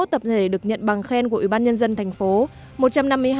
một trăm năm mươi một tập thể được nhận bằng khen của ủy ban nhân dân tp hcm